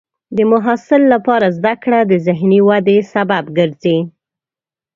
د محصل لپاره زده کړه د ذهني ودې سبب ګرځي.